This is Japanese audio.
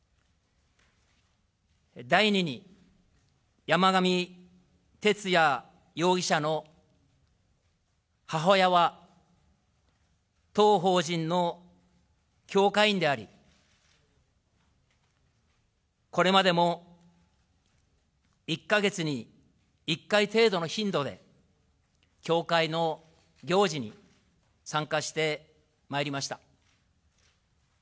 第二に、山上徹也容疑者の母親は、当法人の教会員であり、これまでも１か月に１回程度の頻度で、教会の行事に参加してまいりました。